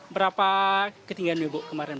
berapa ketinggian bu kemarin bu